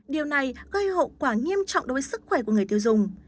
điều này gây hậu quả nghiêm trọng đối với sức khỏe của người tiêu dùng